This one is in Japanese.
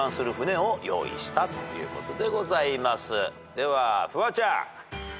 ではフワちゃん。